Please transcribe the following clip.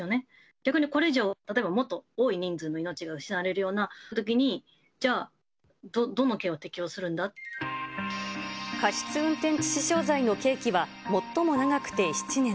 逆にこれ以上、例えばもっと多い人数の命が失われたようなときに、じゃあ、過失運転致死傷罪の刑期は、最も長くて７年。